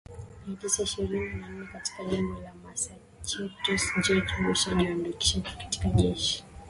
mia tisa ishirini na nne katika jimbo la Massachusetts George Bush alijiandikisha katika Jeshi